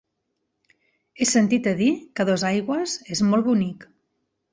He sentit a dir que Dosaigües és molt bonic.